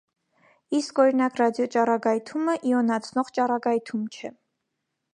Իսկ, օրինակ, ռադիոճառագայթումը իոնացնող ճառագայթում չէ։